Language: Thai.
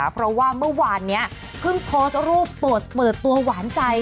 เพราะว่าเมื่อวานนี้เพิ่งโพสต์รูปเปิดตัวหวานใจ